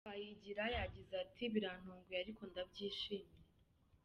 Twayigira yagize ati “Birantunguye ariko ndabyishimiye.